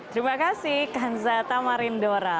terima kasih kansa tamarindora